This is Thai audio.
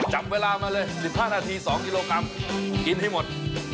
จับเวลามาเลย๑๕นาที๒กิโลกรัมกินให้หมด